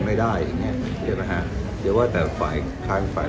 ไม่ไม่ใช่เรื่องฝ่ายค้านมันคือพอให้สอสอก็ไปพูด